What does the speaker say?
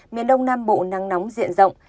miền đông nam bộ nắng nóng diện rộng